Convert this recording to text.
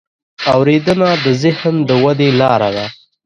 اورېدنه د ذهن د ودې لاره ده.